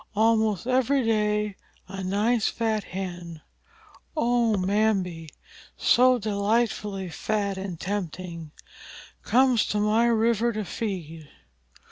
"Almost every day a nice fat Hen, Oh, Mbambi! so delightfully fat and tempting! comes to my river to feed.